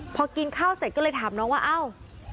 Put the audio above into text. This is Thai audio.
พอกินข้าวเสร็จก็เลยถามน้องว่าเอ้า